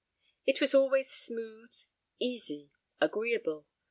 It was always smooth, easy, agreeable.